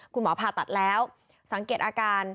ผ่าตัดแล้วสังเกตอาการ